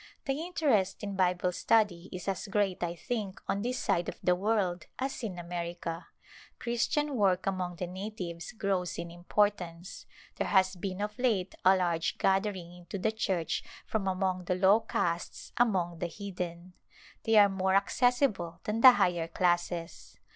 The interest in Bible study is as great, I think, on this side of the world as in America. Christian work among the natives grows in importance ; there has been of late a large gathering into the Church from among the low castes among the heathen. They are more accessible than the higher classes.